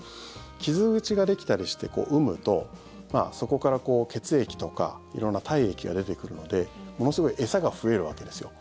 傷口ができたりして、うむとそこから血液とか色んな体液が出てくるのでものすごく餌が増えるわけですよ。